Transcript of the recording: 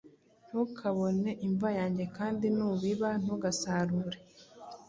ntukabone imva yange kandi nubiba ntu gasarure,